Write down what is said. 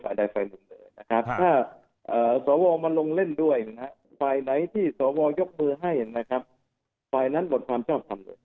ใช่เห็นไหมครับปล่อยนั้นบทความชอบความโดย